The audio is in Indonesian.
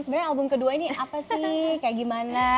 sebenarnya album kedua ini apa sih kayak gimana